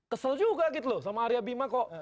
kesel juga gitu loh sama arya bima kok